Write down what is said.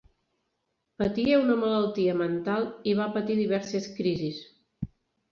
Patia una malaltia mental i va patir diverses crisis.